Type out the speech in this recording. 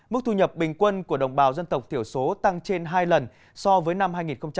mức thu nhập bình quân của đồng bào dân tộc thiểu số tăng trên hai lần so với năm hai nghìn một mươi chín